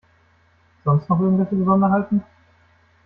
Sonst noch irgendwelche Besonderheiten?